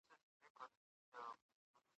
احمد شاه ابدالي څنګه د اړیکو تنظیم کاوه؟